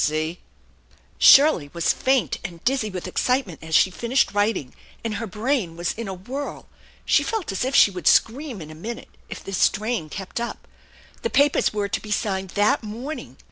See ?" Shirley was faint and dizzy with excitement as she finished writing, and her brain was in a whirl. She felt as if she would scream in a minute if this strain kept up. The papers were to be signed that morning!